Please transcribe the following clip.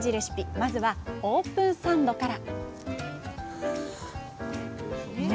まずはオープンサンドから！